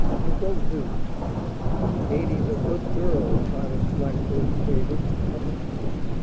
It won't do." "Katy's a good girl," Silas Blackburn quavered.